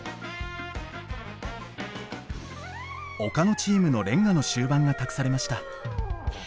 岡野チームの連歌の終盤が託されました。